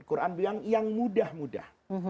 quran bilang yang mudah mudah